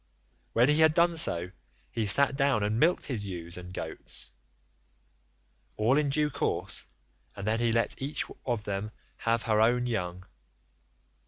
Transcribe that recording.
When he had so done he sat down and milked his ewes and goats, all in due course, and then let each of them have her own young.